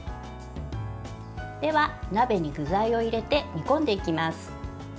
では、鍋に具材を入れて煮込んでいきます。